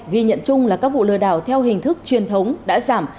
ghi nhận chung là các vụ lừa đảo theo hình thức truyền thống đã giảm